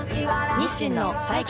日清の最強